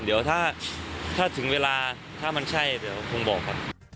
เดี๋ยวถ้าถึงเวลาถ้ามันใช่เดี๋ยวคงบอกครับ